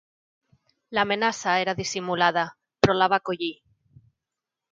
L'amenaça era dissimulada, però la va collir.